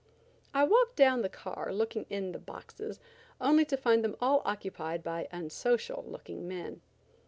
I walked down the car looking in the "boxes" only to find them all occupied by unsocial looking men.